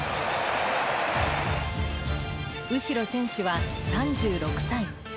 右代選手は３６歳。